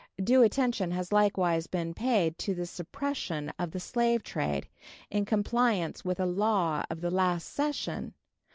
Due attention has likewise been paid to the suppression of the slave trade, in compliance with a law of the last session.